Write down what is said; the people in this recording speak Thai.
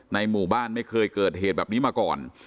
หมู่บ้านไม่เคยเกิดเหตุแบบนี้มาก่อน